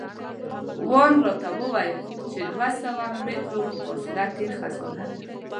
وون راته وویل چې دوه سوه مترو په فاصله کې خزانه ده.